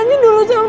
nanti kita berjalan